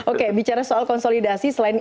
oke bicara soal konsolidasi selain